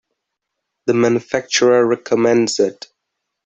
The manufacturer recommends it.